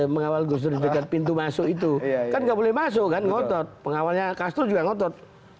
mengawal gus dur di dekat pintu masuk itu kan nggak boleh masuk kan ngotot pengawalnya castro juga ngotot